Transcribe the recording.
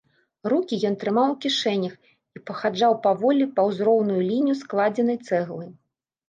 Рукі ён трымаў у кішэнях і пахаджаў паволі паўз роўную лінію складзенай цэглы.